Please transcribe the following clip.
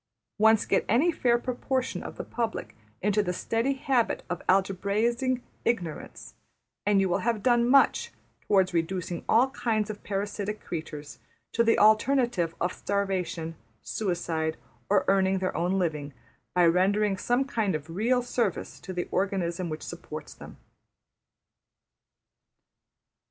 Once get any fair proportion of the public into the steady habit of algebraising ignorance, and you will have done much towards reducing all kinds of parasitic creatures to the alternative of starvation, suicide, or earning their own living by rendering some kind of real service to the organism which supports them.